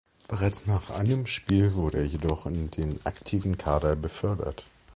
Bereits nach einem Spiel wurde er jedoch in den aktiven Kader befördert.